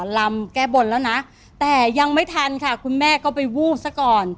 ลำแก้บนแล้วนะแต่ยังไม่ทันค่ะคุณแม่ก็ไปวูบซะก่อน